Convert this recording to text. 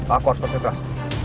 aku harus terus di atas